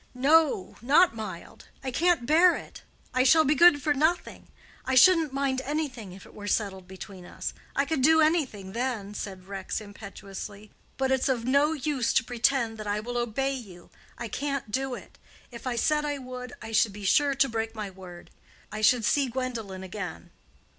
"No, not mild. I can't bear it. I shall be good for nothing. I shouldn't mind anything, if it were settled between us. I could do anything then," said Rex, impetuously. "But it's of no use to pretend that I will obey you. I can't do it. If I said I would, I should be sure to break my word. I should see Gwendolen again."